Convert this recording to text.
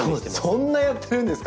そんなやってるんですか！